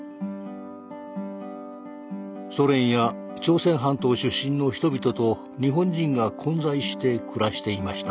ソ連や朝鮮半島出身の人々と日本人が混在して暮らしていました。